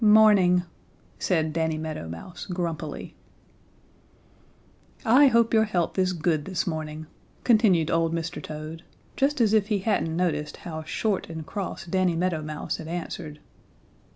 "Morning," said Danny Meadow Mouse, grumpily. "I hope your health is good this morning," continued old Mr. Toad, just as if he hadn't noticed how short and cross Danny Meadow Mouse had answered.